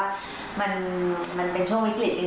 สู้นะคะถอยก็จะสู้เหมือนกัน